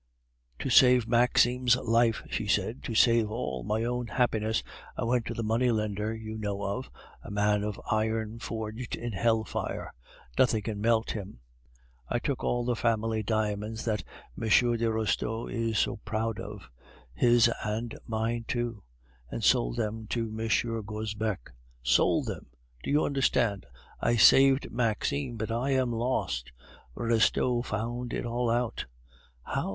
"To save Maxime's life," she said, "to save all my own happiness, I went to the money lender you know of, a man of iron forged in hell fire; nothing can melt him; I took all the family diamonds that M. de Restaud is so proud of his and mine too and sold them to that M. Gobseck. Sold them! Do you understand? I saved Maxime, but I am lost. Restaud found it all out." "How?